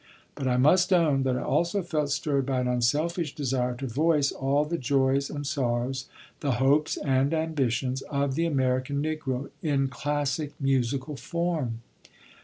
But I must own that I also felt stirred by an unselfish desire to voice all the joys and sorrows, the hopes and ambitions, of the American Negro, in classic musical form.